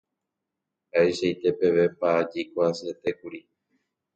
Mba'eichaite pevépa jaikoasyetékuri.